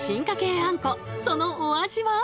あんこそのお味は？